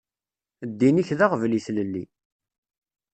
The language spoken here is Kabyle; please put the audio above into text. Ddin-ik d aɣbel i tlelli.